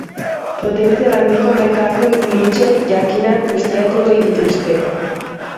Potentzial handiko merkatu-nitxo jakinak ustiatu ohi dituzte.